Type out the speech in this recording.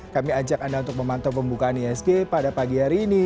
kami ajak anda untuk memantau pembukaan isg pada pagi hari ini